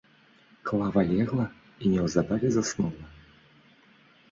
Клава легла і неўзабаве заснула.